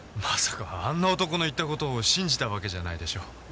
まさかあんな男の言ってる事を信じたわけじゃないでしょう？